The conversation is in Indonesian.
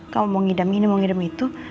kamu mau ngidam ini mau ngirim itu